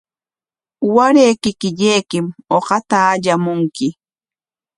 Waray kikillaykim uqata allamunki.